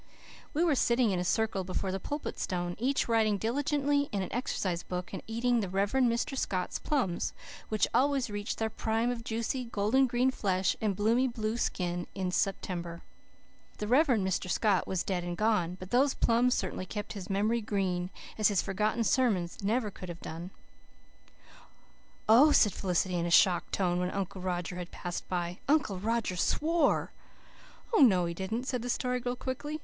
We were sitting in a circle before the Pulpit Stone, each writing diligently in an exercise book, and eating the Rev. Mr. Scott's plums, which always reached their prime of juicy, golden green flesh and bloomy blue skin in September. The Rev. Mr. Scott was dead and gone, but those plums certainly kept his memory green, as his forgotten sermons could never have done. "Oh," said Felicity in a shocked tone, when Uncle Roger had passed by, "Uncle Roger SWORE." "Oh, no, he didn't," said the Story Girl quickly.